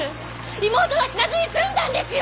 妹は死なずに済んだんですよ！